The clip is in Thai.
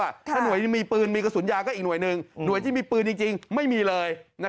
ถ้าหน่วยมีปืนมีกระสุนยาก็อีกหน่วยหนึ่งหน่วยที่มีปืนจริงไม่มีเลย